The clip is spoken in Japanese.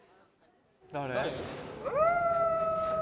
・誰？